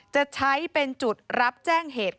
จะใช้เป็นจุดรับแจ้งเหตุ